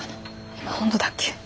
今本土だっけ。